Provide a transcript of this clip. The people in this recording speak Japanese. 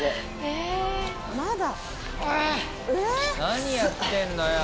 何やってんのよ。